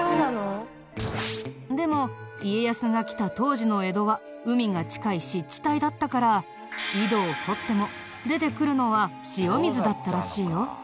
でも家康が来た当時の江戸は海が近い湿地帯だったから井戸を掘っても出てくるのは塩水だったらしいよ。